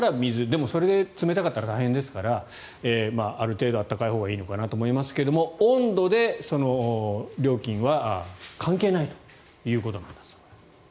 でも、それで冷たかったら大変ですからある程度、温かいほうがいいのかなと思いますが温度で料金は関係ないということなんだそうです。